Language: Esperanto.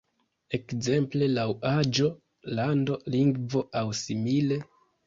Ekzemple laŭ aĝo, lando, lingvo aŭ simile?